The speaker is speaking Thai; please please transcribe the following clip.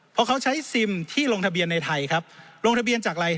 เพราะเขาใช้ซิมที่ลงทะเบียนในไทยครับลงทะเบียนจากอะไร